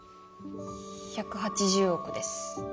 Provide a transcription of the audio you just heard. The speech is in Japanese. １８０億です。